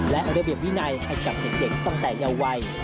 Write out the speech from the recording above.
และระเบียบวินัยให้กับเด็กตั้งแต่เยาวัย